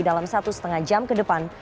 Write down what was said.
dalam satu setengah jam ke depan